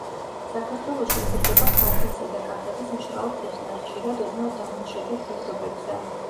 საქართველოში იზრდება ქართლისა და კახეთის მშრალ თიხნარ, ხშირად ოდნავ დამლაშებულ ფერდობებზე.